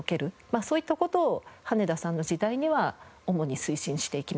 そういった事を羽田さんの時代には主に推進していきました。